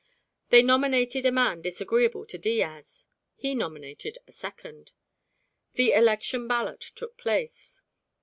They nominated a man disagreeable to Diaz; he nominated a second. The election ballot took place.